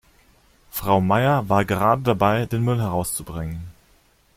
Frau Meier war gerade dabei, den Müll herauszubringen.